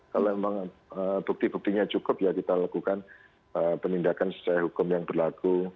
kalau memang bukti buktinya cukup ya kita lakukan penindakan secara hukum yang berlaku